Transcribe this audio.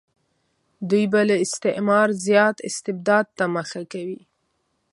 دوی به له استعمار زیات استبداد ته مخه کوي.